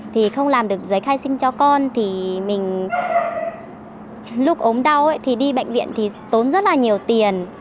thì không làm được giấy khai sinh cho con thì mình lúc ốm đau thì đi bệnh viện thì tốn rất là nhiều tiền